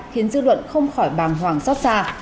khiến dư luận không khỏi bàng hoàng xót xa